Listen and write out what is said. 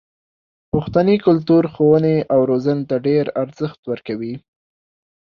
پښتني کلتور ښوونې او روزنې ته ډېر ارزښت ورکوي.